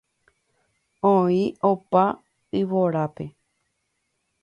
Oĩ opa yvórape.